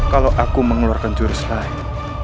kalau aku mengeluarkan jurus lain